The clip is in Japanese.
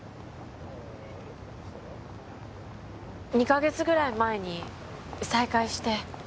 ２か月ぐらい前に再会して。